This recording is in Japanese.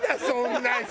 そうだね。